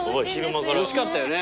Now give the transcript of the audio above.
おいしかったよね。